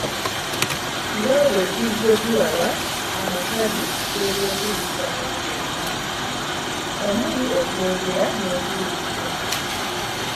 Nga bwe tuzze tulaba amatabi g’empuliziganya gonna, omuli okwogera n’okuwuliriza.